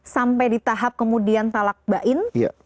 sampai di tahap kemudian talak bain